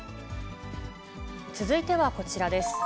続いてはこちらです。